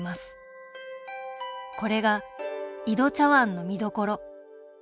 これが「井戸茶碗」の見どころ